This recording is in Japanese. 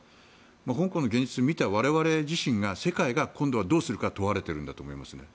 香港の現実を見た我々自身が世界が今度はどうするか問われているんだと思います。